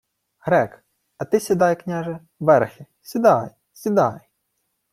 — Грек. А ти сідай, княже, верхи, сідай, сідай!